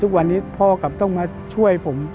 ทุกวันนี้พ่อกลับต้องมาช่วยผม